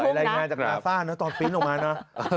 รายงานจากกาซ่านะตอนปริ้นต์ออกมาเนอะ